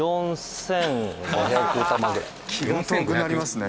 気が遠くなりますね。